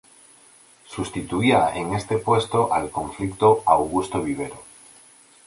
Sustituía en este puesto al conflicto Augusto Vivero.